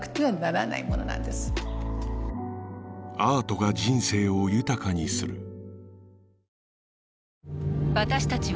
アートが人生を豊かにする